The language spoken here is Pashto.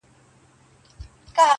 • ګاونډیان به هره شپه په واویلا وه -